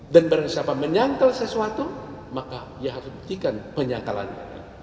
dan barang siapa menyangkal sesuatu maka dia harus membuktikan penyangkalannya